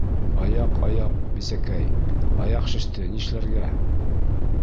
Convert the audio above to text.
— Аяҡ, аяҡ, бисәкәй, аяҡ шеште, нишләргә?